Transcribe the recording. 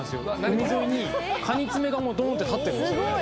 海沿いにカニ爪がもうドーンって立ってるんすよね